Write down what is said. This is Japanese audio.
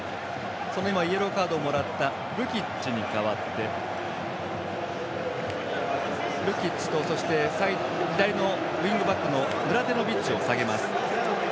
そのイエローカードをもらったルキッチに代わってルキッチと左のウィングバックのムラデノビッチを下げます。